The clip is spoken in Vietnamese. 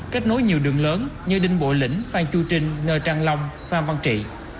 kết nối nhiều đường lớn như đinh bộ lĩnh phan chu trinh ngơ trang long phan văn trị